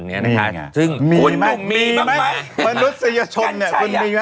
มีมั้ยมนุษยชนคุณมีมั้ย